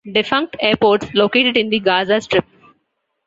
Defunct airports located in the Gaza strip.